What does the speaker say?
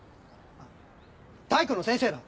あ体育の先生だ